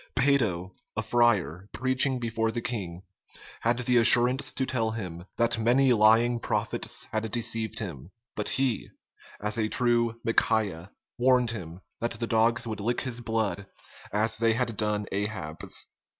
Peyto, a friar, preaching before the king, had the assurance to tell him, "that many lying prophets had deceived him; but he, as a true Micajah, warned him, that the dogs would lick his blood, as they had done Ahab's."